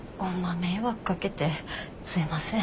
迷惑かけてすいません。